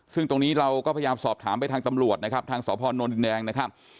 ซึ่งตรงนี้เราก็พยายามสอบถามไปทางตำรวจนะครับทางสพนดินแดงนะครับ